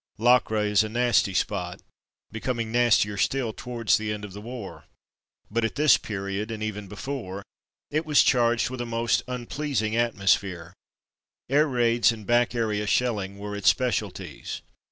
Locre is a nasty spot, becoming 123 124 From Mud to Mufti nastier still towards the end of the war; but at this period, and even before, it was charged with a most unpleasing atmosphere — air raids and back area sheUing were its speciaUties.